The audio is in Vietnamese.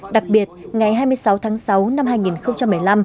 đặc biệt ngày hai mươi sáu tháng sáu năm hai nghìn một mươi năm